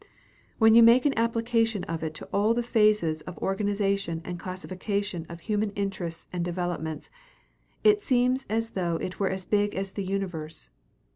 When you make an application of it to all the phases of organization and classification of human interests and developments, it seems as though it were as big as the universe.